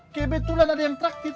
kebetulan ada yang terakhir